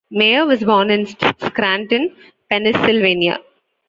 Mayer was born in Scranton, Pennsylvania.